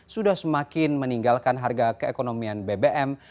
sudah semakin meninggalkan harga keekonomian bbm